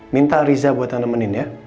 minta riza buatan nemenin ya